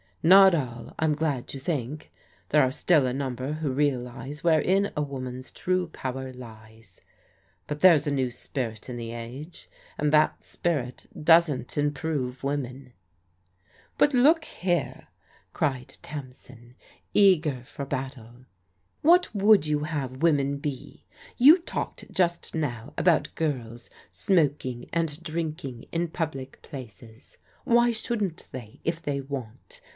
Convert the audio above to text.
Not all, I'm glad to think. There are still a number who realize wherein a woman's true power lies. ^But there's a new spirit in the age, and that spirit doesn't improve women." '*But look here," cried Tamsin, eager for battle. THE SUPPER PABTY 77 What would you have women be? You talked just now about girls smoking and drinking in public places. Why shouldn't they, if they want